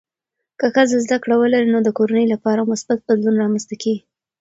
که ښځه زده کړه ولري، نو د کورنۍ لپاره مثبت بدلون رامنځته کېږي.